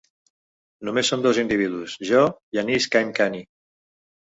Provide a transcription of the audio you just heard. Només som dos individus, jo i Anees Kaimkhani.